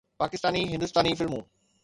پاڪستاني، هندستاني فلمون